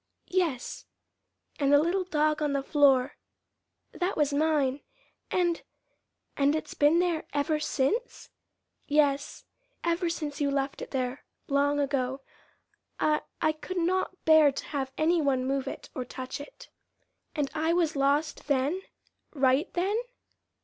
"Yes." "And the little dog on the floor that was mine, and and it's been there ever since?" "Yes, ever since you left it there long ago. I I could not bear to have any one move it, or touch it." "And I was lost then right then?"